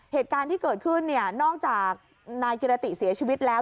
เหตุการณ์ที่เกิดขึ้นเนี่ยนอกจากนายกิรติเสียชีวิตแล้ว